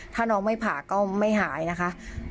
ถ้าน้องไม่ผ่าก็ไม่หายนะคะ